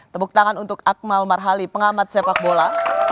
tepuk tangan untuk akmal marhali pengamat sepak bola